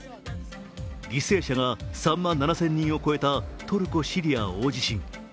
犠牲者が３万７０００人を超えたトルコ・シリア大地震。